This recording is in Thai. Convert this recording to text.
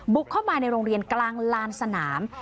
เข้ามาในโรงเรียนกลางลานสนาม